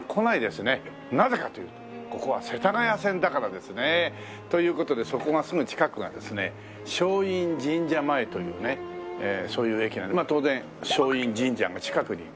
なぜかというとここは世田谷線だからですね。という事でそこがすぐ近くがですね松陰神社前というねそういう駅なのでまあ当然松陰神社が近くにあるんですけどもね。